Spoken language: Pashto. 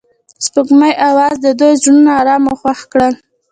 د سپوږمۍ اواز د دوی زړونه ارامه او خوښ کړل.